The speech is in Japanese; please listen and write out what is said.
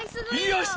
よし！